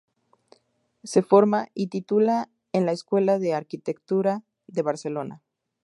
Se forma y titula en la escuela de arquitectura de Barcelona.